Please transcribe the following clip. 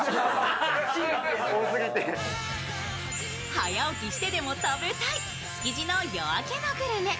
早起きしてでも食べたい、築地の夜明けのグルメ。